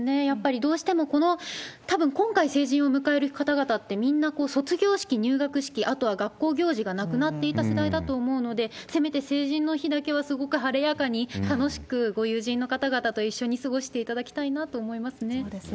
どうしてもたぶん、今回成人を迎える方々って、みんな卒業式、入学式、あとは学校行事がなくなっていた世代だと思うので、せめて成人の日だけはすごく晴れやかに、楽しくご友人の方々と一緒に過ごしていただきたいなと思いますね。